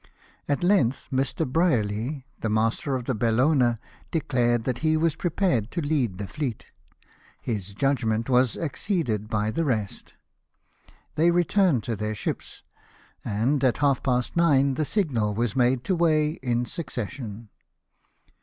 At length Mr. Bryerly, the master of the Bellona, declared that he was prepared to lead the fleet. His judgment was acceded to by the rest ; they returned to their ships, and, at half past nine, the signal was made to weigh in succession.